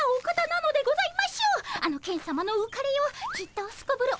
あのケンさまのうかれようきっとすこぶる